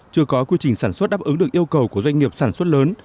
chưa có quy trình sản xuất đáp ứng được yêu cầu của doanh nghiệp sản xuất lớn